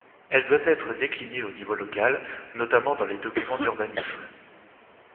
Elle doit être déclinée au niveau local, notamment dans les documents d’urbanisme.